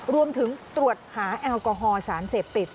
รวมถึงตรวจหาแอลกอฮอลสารเสพติด